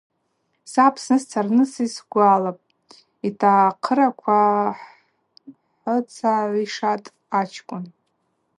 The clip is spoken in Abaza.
Са Апсны сцарныс йсгвалапӏ, – йтахъыраква хӏыцагӏвишатӏ ачкӏвын.